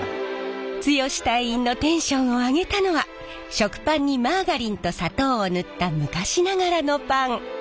剛隊員のテンションを上げたのは食パンにマーガリンと砂糖を塗った昔ながらのパン。